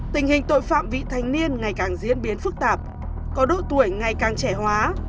tình hình tội phạm vị thanh niên ngày càng diễn biến phức tạp có độ tuổi ngày càng trẻ hóa